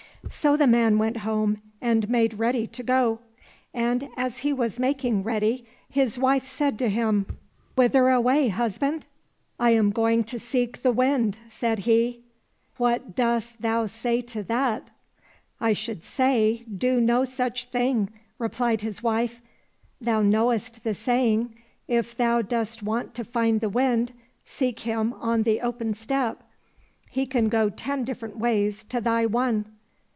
So the man went home and made ready to go, and as he was making ready his wife said to him, *' Whither away, husband ?"—" I am going to seek the Wind," said he ;" what dost thou say to that ?"—" I should say, do no such thing," replied his wife. " Thou knowest the saying, * If thou dost want to find the Wind, seek him on the open steppe. He can go ten different ways to thy one.'